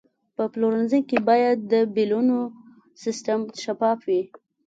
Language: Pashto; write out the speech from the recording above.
په پلورنځي کې باید د بیلونو سیستم شفاف وي.